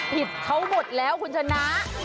ผิดเขาหมดแล้วคุณชนะ